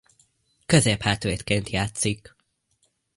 Középhátvédként játszik.